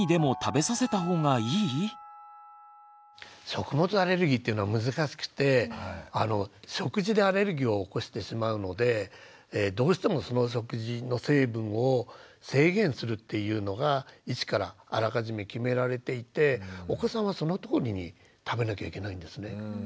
食物アレルギーっていうのは難しくて食事でアレルギーを起こしてしまうのでどうしてもその食事の成分を制限するっていうのが一からあらかじめ決められていてお子さんはそのとおりに食べなきゃいけないんですね。